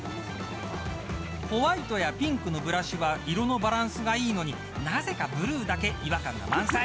ホワイトやピンクのブラシは色のバランスがいいのになぜかブルーだけ違和感が満載。